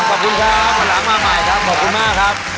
ขอบคุณครับวันหลังมาใหม่ครับขอบคุณมากครับ